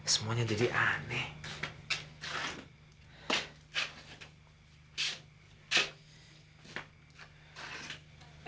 semuanya jadi aneh